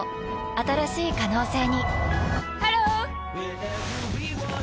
新しい可能性にハロー！